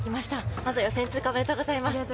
まず予選通過、おめでとうございます。